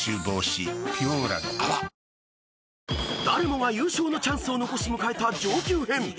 ［誰もが優勝のチャンスを残し迎えた上級編］